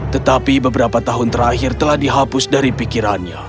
tetapi beberapa tahun terakhir telah dihapus dari pikirannya